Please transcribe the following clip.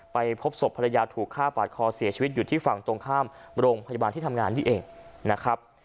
ไปพบศพภรรยาถูกฆ่าปาดคอเสียชีวิตอยู่ที่ฝั่งตรงข้ามโรงพยาบาลที่ทำงานนี่เองนะครับ